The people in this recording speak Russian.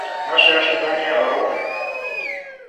Наши ожидания огромны.